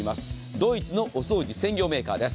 ドイツのお掃除専業メーカーです。